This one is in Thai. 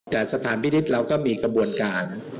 แต่สถานพินิษฐ์เราก็มีกระบวนการ